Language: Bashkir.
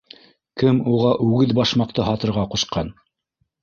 Кем уға үгеҙ башмаҡты һатырға ҡушҡан?